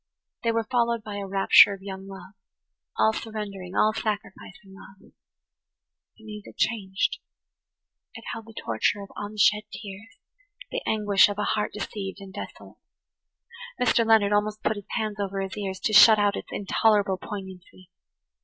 They were followed by a rapture of young love–all surrendering, all sacrificing love. The music changed. It held the torture of unshed tears, the anguish of a heart deceived and desolate. Mr. Leonard almost put his hands over his ears to shut out its intolerable poignancy.